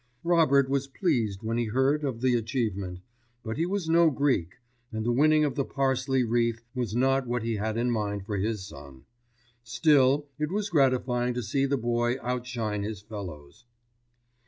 Robert was pleased when he heard of the achievement, but he was no Greek, and the winning of the parsley wreath was not what he had in mind for his son; still it was gratifying to see the boy outshine his fellows.